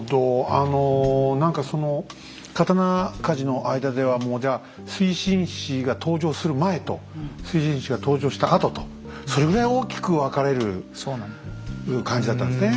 あの何かその刀鍛冶の間ではもうじゃ水心子が登場する前と水心子が登場したあととそれぐらい大きく分かれる感じだったんですね。